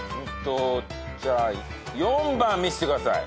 じゃあ４番見せてください。